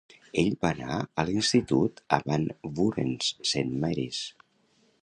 Ell va anar a l'institut a Van Buren's Saint Mary's.